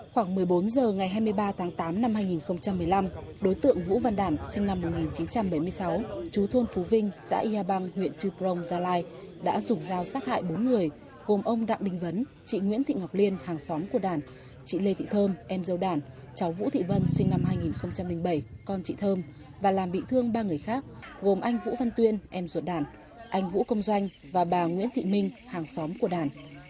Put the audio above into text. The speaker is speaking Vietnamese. khoảng một mươi bốn h ngày hai mươi ba tháng tám năm hai nghìn một mươi năm đối tượng vũ văn đản sinh năm một nghìn chín trăm bảy mươi sáu chú thôn phú vinh xã yà bang huyện dư brông gia lai đã dùng dao sát hại bốn người gồm ông đặng đình vấn chị nguyễn thị ngọc liên hàng xóm của đản chị lê thị thơm em dâu đản cháu vũ thị vân sinh năm hai nghìn bảy con chị thơm và làm bị thương ba người khác gồm anh vũ văn tuyên em ruột đản anh vũ công doanh và bà nguyễn thị minh hàng xóm của đản